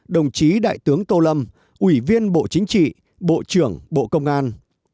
một mươi bốn đồng chí đại tướng tô lâm ủy viên bộ chính trị bộ trưởng bộ công an